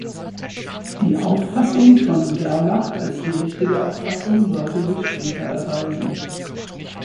Die Auffassung von Gerlach als die richtige Auffassung sollte sich später erweisen.